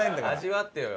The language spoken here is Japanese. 味わってよ。